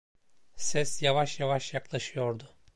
Ses yavaş yavaş yaklaşıyordu.